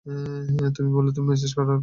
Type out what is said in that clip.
তুমি বললে তুমি ম্যাসাজ করার কাজ করো?